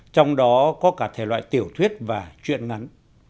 trong đó có cả thể loại tiểu thuyết và chuyện ngắn